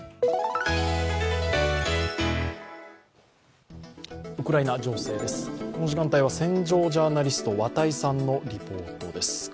この時間帯は戦場ジャーナリスト・綿井さんのリポートです。